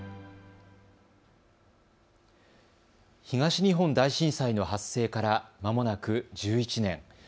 東日本大震災の発生からまもなく１１年。